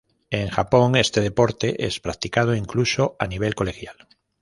En Japón, este deporte es practicado incluso a nivel colegial.